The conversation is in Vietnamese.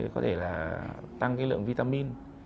có thể là tăng cái lượng vitamin